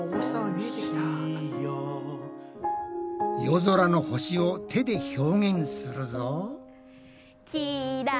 夜空の星を手で表現するぞ。